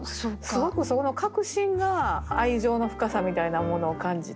すごくそこの確信が愛情の深さみたいなものを感じて。